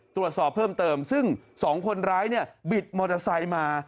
ตรวจสอบเพิ่มเติมซึ่ง๒คนร้ายเนี่ยบิดมอเตอร์ไซค์มา